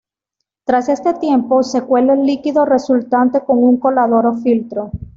Tras este tiempo, se cuela el líquido resultante con un colador o filtro.